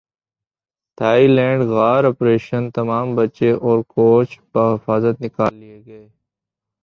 Thai land غار operation تمام بچے اور کوچ بحفاظت نکال لئے گئے